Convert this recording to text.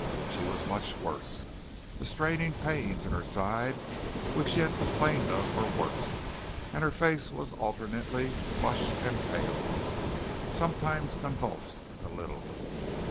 She was much worse. The straining pains in her side which she had complained of were worse and her face was alternately flushed and pale, sometimes convulsed a little.